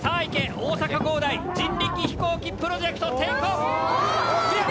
大阪工大人力飛行機プロジェクトテイクオフ！